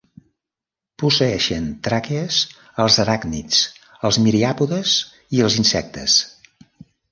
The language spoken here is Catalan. Posseeixen tràquees els aràcnids, els miriàpodes i els insectes.